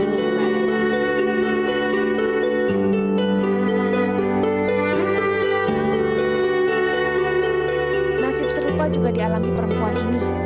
nasib serupa juga dialami perempuan ini